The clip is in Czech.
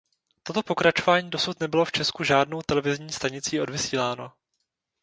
Toto pokračování dosud nebylo v Česku žádnou televizní stanicí odvysíláno.